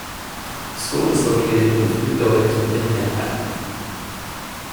The school is located in three buildings within Manhattan.